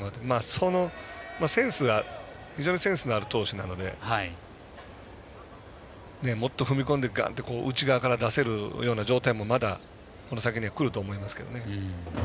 そのセンスがいい非常にセンスがある投手なのでもっと踏み込んで、内側から出せるような状態をまだ先に出てくると思いますけれどもね。